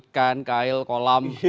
ketika misalnya ikan kail kolam